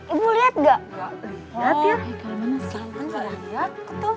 ibu liat gak